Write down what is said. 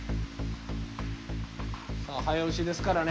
早押しですからね。